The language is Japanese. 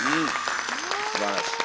すばらしい。